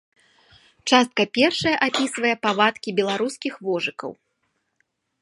Частка першая апісвае павадкі беларускіх вожыкаў.